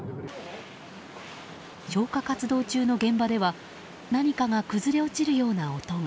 消火活動中の現場では何かが崩れ落ちるような音が。